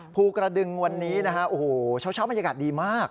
ภูกระดึงวันนี้ช้าวบรรยากาศดีมาก